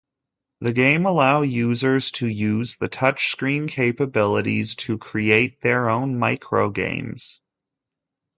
The game allows users to use the touchscreen capabilities to create their own microgames.